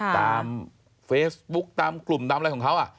ตามเฟซบุ๊กตามกลุ่มตามอะไรของเขา